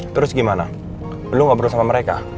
terus gimana belum ngobrol sama mereka